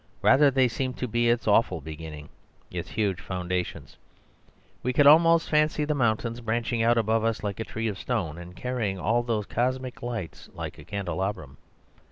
Rather they seem to be its awful beginning: its huge foundations. We could almost fancy the mountain branching out above us like a tree of stone, and carrying all those cosmic lights like a candelabrum.